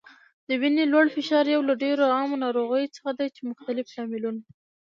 د وینې لوړ فشار یو له ډیرو عامو ناروغیو څخه دی چې مختلف لاملونه